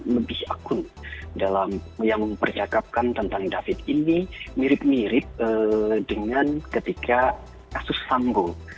jadi akun yang mempercakapkan tentang david ini mirip mirip dengan ketika kasus sambu